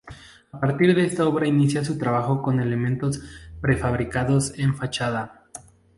A partir de esta obra inicia su trabajo con elementos prefabricados en fachada.